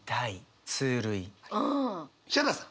ヒャダさん。